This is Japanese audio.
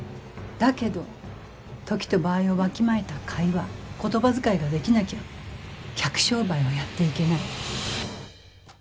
だけど時と場合をわきまえた会話言葉遣いができなきゃ客商売はやっていけない。